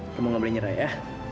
kamu nggak boleh nyerah ya